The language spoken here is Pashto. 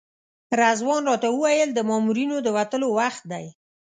رضوان راته وویل د مامورینو د وتلو وخت دی.